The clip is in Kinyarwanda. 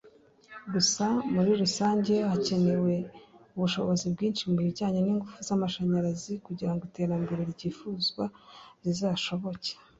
gusa muri rusange hacyakenewe ubushobozi bwinshi mu bijyanye n’ingufu z’amashanyarazi kugira ngo iterambere ryifuzwa rizashoboke”